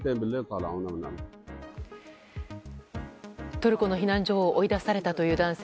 トルコの避難所を追い出されたという男性。